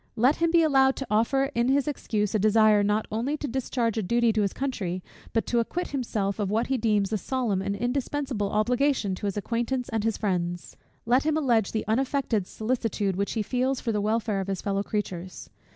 Let him be allowed to offer in his excuse a desire not only to discharge a duty to his country, but to acquit himself of what he deems a solemn and indispensable obligation to his acquaintance and his friends. Let him allege the unaffected solicitude which he feels for the welfare of his fellow creatures.